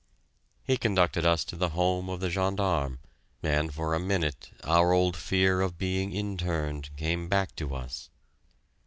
He conducted us to the home of the gendarme and for a minute our old fear of being interned came back to us!